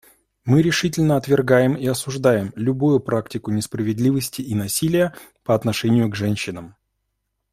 Мы решительно отвергаем и осуждаем любую практику несправедливости и насилия по отношению к женщинам.